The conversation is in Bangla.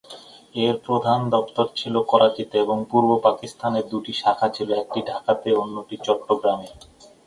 এর প্রধান দপ্তর ছিল করাচিতে এবং পূর্ব পাকিস্তানে দু’টি শাখা ছিল, একটি ঢাকাতে অন্যটি চট্টগ্রামে।